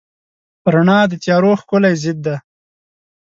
رڼا د تیارو ښکلی ضد دی.